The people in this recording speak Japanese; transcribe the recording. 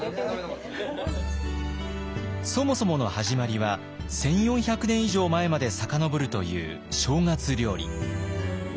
そもそもの始まりは１，４００年以上前まで遡るという正月料理。